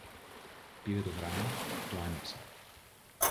Πήρε το γράμμα, το άνοιξε